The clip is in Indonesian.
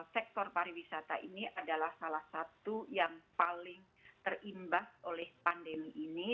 sektor pariwisata ini adalah salah satu yang paling terimbas oleh pandemi ini